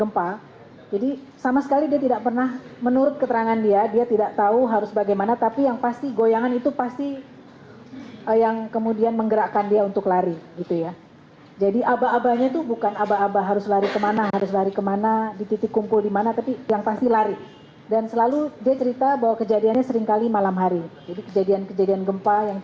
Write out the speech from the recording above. bnpb juga mengindikasikan adanya kemungkinan korban hilang di lapangan alun alun fatulemo palembang